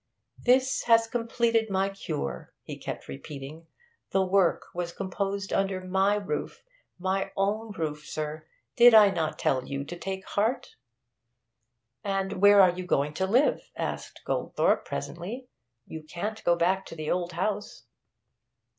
'This has completed my cure!' he kept repeating. 'The work was composed under my roof, my own roof, sir! Did I not tell you to take heart?' 'And where are you going to live?' asked Goldthorpe presently. 'You can't go back to the old house.'